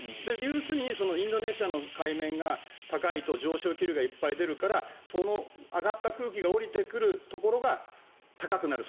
要するにインドネシアの海面が高いと上昇気流がいっぱい出るからその上がった空気が下りてくるところが高くなる。